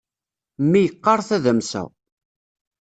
Mmi yeqqar tadamsa.